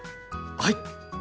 はい！